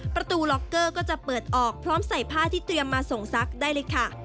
ประตูล็อกเกอร์ก็จะเปิดออกพร้อมใส่ผ้าที่เตรียมมาส่งซักได้เลยค่ะ